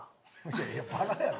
いやいやバラやろ。